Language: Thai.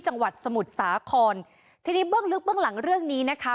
จังหวัดสมุทรสาครทีนี้เบื้องลึกเบื้องหลังเรื่องนี้นะคะ